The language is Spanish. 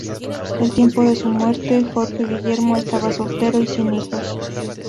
Al tiempo de su muerte, Jorge Guillermo estaba soltero y sin hijos.